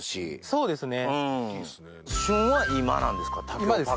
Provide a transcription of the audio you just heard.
そうですね。